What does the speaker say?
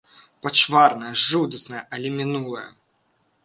Пачварнае, жудаснае, але мінулае.